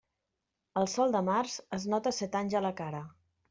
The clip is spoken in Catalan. El sol de març es nota set anys a la cara.